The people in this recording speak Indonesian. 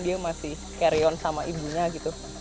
dia masih carry on sama ibunya gitu